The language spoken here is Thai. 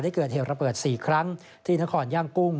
เกิดเหตุระเบิด๔ครั้งที่นครย่างกุ้ง